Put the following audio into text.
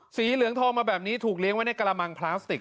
สีเหลืองทองมาแบบนี้ถูกเลี้ยงไว้ในกระมังพลาสติก